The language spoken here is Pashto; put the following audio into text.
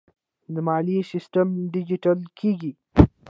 د مالیې سیستم ډیجیټل کیږي